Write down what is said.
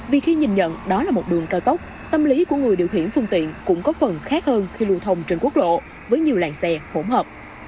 vì khi nhìn nhận đó là một đường cao tốc tâm lý của người điều khiển phương tiện cũng có phần khác hơn khi lưu thông trên quốc lộ với nhiều làng xe hỗn hợp